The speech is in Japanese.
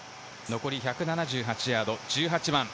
残り１７８ヤード、１８番。